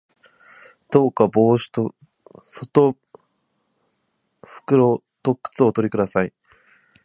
どうか帽子と外套と靴をおとり下さい